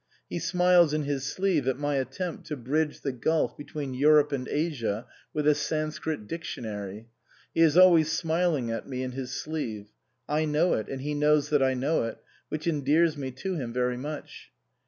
He smiles in his sleeve at my attempt to bridge the gulf between Europe and Asia with a Sanscrit dictionary. He is always smiling at me in his sleeve. I know it, and he knows that I know it, which endears me to him very much.